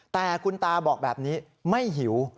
แต่คุณตาบอกแบบนี้ไม่หิว